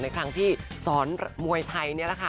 ในครั้งที่สอนมวยไทยเนี่ยค่ะ